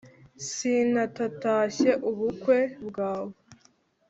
sina tatashye ubukwe bwawe!"